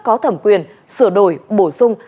có thẩm quyền sửa đổi bổ sung